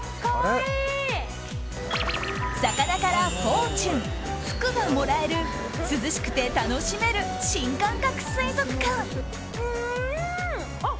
魚から、フォーチュン福がもらえる涼しくて楽しめる新感覚水族館。